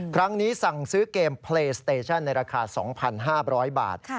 ครั้งนี้สั่งซื้อเกมเพลย์สเตชั่นในราคา๒๕๐๐บาท